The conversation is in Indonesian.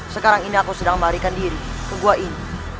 sekarang ini aku sedang melarikan diri ke gua ini